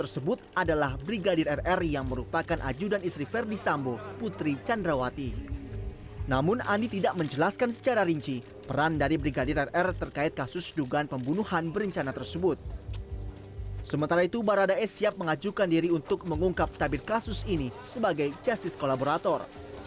sementara itu baradae siap mengajukan diri untuk mengungkap tabir kasus ini sebagai justice kolaborator